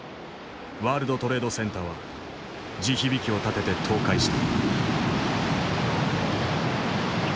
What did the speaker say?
ワールドトレードセンターは地響きを立てて倒壊した。